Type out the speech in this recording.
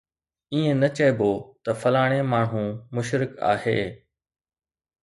ائين نه چئبو ته فلاڻي ماڻهو مشرڪ آهي